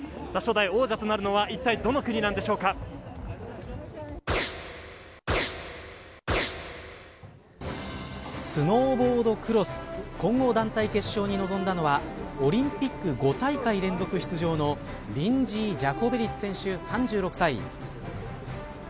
初代王者となるのはいったいスノーボードクロス混合団体決勝に臨んだのはオリンピック５大会連続出場のリンジー・ジャコベリス選手３６歳。